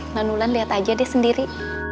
non ulan liat aja deh sendiri